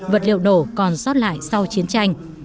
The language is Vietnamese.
vật liệu nổ còn sót lại sau chiến tranh